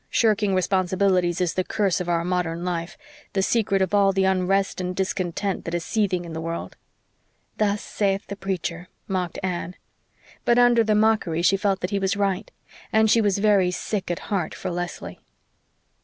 Shirking responsibilities is the curse of our modern life the secret of all the unrest and discontent that is seething in the world." "Thus saith the preacher," mocked Anne. But under the mockery she felt that he was right; and she was very sick at heart for Leslie.